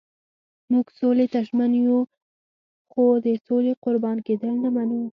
موږ سولې ته ژمن یو خو د سولې قربان کېدل نه منو.